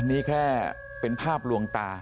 นี่แค่เป็นภาพลวงตา